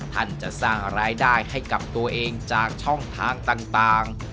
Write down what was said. ท่านจะสร้างรายได้ให้กับตัวเองจากช่องทางต่าง